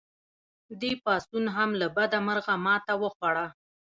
دې پاڅون هم له بده مرغه ماته وخوړه.